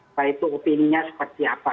apa itu opini nya seperti apa